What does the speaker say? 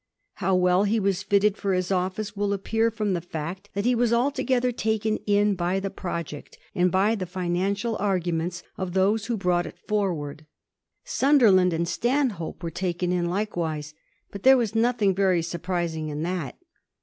How well he was fitted for his office will appear fi'om the fact that he was altogether taken in by the project, and by the financial arguments of those who brought i*^^ forward. Sunderland and Stanhope were taken in likewise — but there was nothmg very surprising in that.